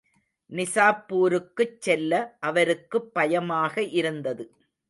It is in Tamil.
நிசாப்பூருக்குச் செல்ல அவருக்குப் பயமாக இருந்தது.